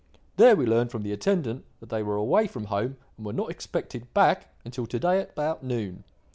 There we learned from the attendant that they were away from home and were not expected back until to day about noon.